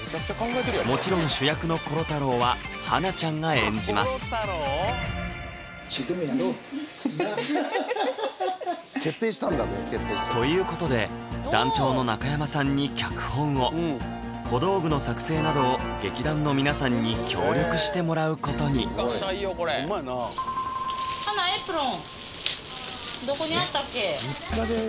もちろん主役のコロ太郎は花奈ちゃんが演じますなっ！ということで団長の中山さんに脚本を小道具の作成などを劇団の皆さんに協力してもらうことに・花奈エプロン・はい・どこにあったっけ？